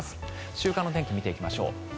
週間の天気を見ていきましょう。